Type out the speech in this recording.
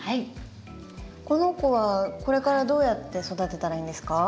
この子はこれからどうやって育てたらいいんですか？